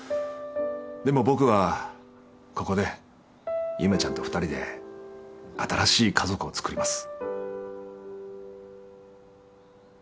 でも僕はここで夢ちゃんと２人で新しい家族をつくります。